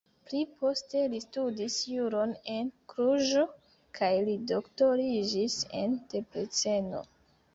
Pli poste li studis juron en Kluĵo kaj li doktoriĝis en Debreceno.